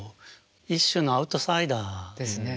一種のアウトサイダー。ですね。